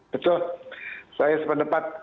betul saya sependapat